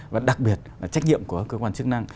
và đặc biệt là trách nhiệm của cơ quan chức năng